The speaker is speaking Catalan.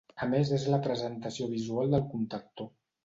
A més és la presentació visual del contactor.